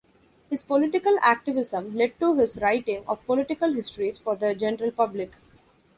His political activism led to his writing of political histories for the general public.